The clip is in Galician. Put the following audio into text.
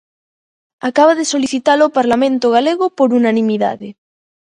Acaba de solicitalo o Parlamento galego por unanimidade.